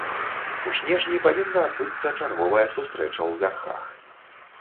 У снежні павінна адбыцца чарговая сустрэча ў вярхах.